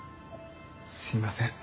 すいません。